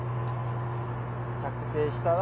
着底したら。